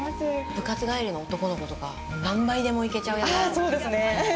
部活帰りの男の子とか何杯でもいけちゃうやつですね。